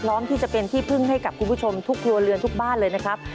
พร้อมที่จะเป็นที่พึ่งให้กับคุณผู้ชมทุกครัวเรือนทุกบ้านเลยนะครับ